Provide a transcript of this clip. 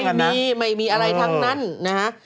ไม่มีไม่มีอะไรทั้งนั้นนะฮะ